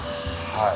はい。